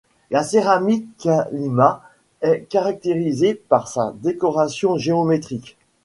La céramique calima est caractérisée par sa décoration géométrique.